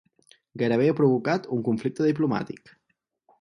Gairebé he provocat un conflicte diplomàtic.